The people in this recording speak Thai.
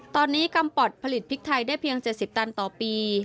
ตอนนี้กำปอดผลิตพริกไทยได้เพียง๗๐ตันต่อปี